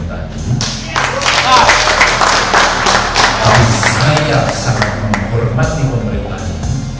tapi saya sangat menghormati pemerintah ini